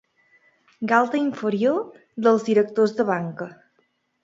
Galta inferior dels directors de Banca.